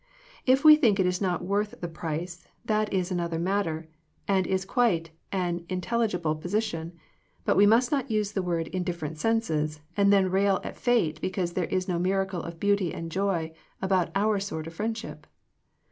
. If we think it is not worth the price, that is another matter, and is quite an in telligible position, but we must not use the word in different senses, and then rail at fate because there is no miracle of beauty and joy about our sort of friend ship.